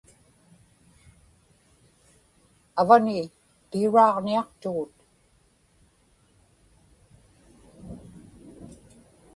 avani piuraaġniaqtugut